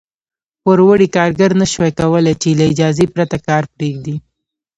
پوروړي کارګر نه شوای کولای چې له اجازې پرته کار پرېږدي.